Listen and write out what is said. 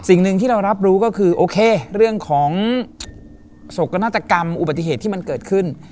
สิ่งหนึ่งที่เรารับรู้ก็คือโอเคเรื่องของโศกนาฏกรรมอุบัติเหตุที่มันเกิดขึ้น